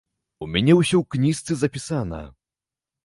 У мяне ўсё ў кніжцы запісана.